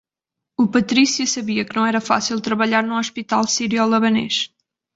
O Patrício sabia que não era fácil trabalhar no Hospital Sírio Libanês.